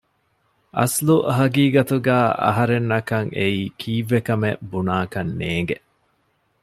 އަސްލު ހަގީގަތުގައި އަހަރެންނަކަށް އެއީ ކީއްވެކަމެއް ބުނާކަށް ނޭނގެ